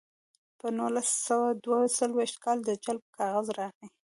په نولس سوه دوه څلویښت کال د جلب کاغذ راغی